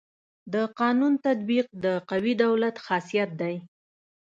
د قانون تطبیق د قوي دولت خاصيت دی.